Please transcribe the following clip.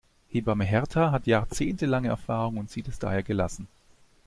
Hebamme Hertha hat jahrzehntelange Erfahrung und sieht es daher gelassen.